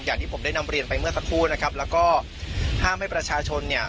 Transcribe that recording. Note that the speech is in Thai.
อย่างที่ผมได้นำเรียนไปเมื่อสักครู่นะครับแล้วก็ห้ามให้ประชาชนเนี่ย